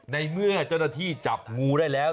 ในเมื่อเจ้าหน้าที่จับงูได้แล้ว